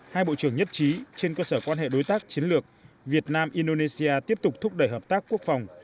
hai bộ trưởng nhất trí trên cơ sở quan hệ đối tác chiến lược việt nam indonesia tiếp tục thúc đẩy hợp tác quốc phòng